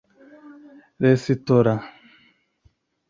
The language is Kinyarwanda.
resitora